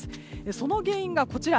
その原因がこちら。